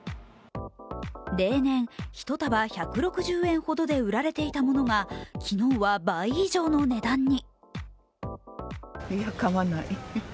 例年、１束１６０円ほどで売られていたものが昨日は倍以上の値段に。